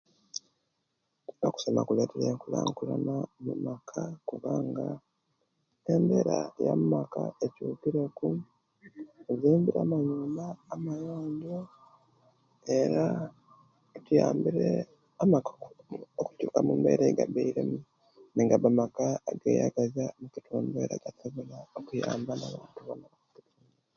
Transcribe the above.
Okusoma kuletere enkulankulana mumaka kubanga embeera eya'maka echukireku bazimbire amanyumba amayonjo era kutuyambire amaka oku okutuka mumbeera jjegaberemu naye nga maka ageyagazia mukitundu era